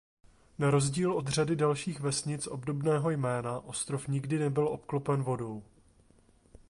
Na rozdíl od řady dalších vesnic obdobného jména Ostrov nikdy nebyl obklopen vodou.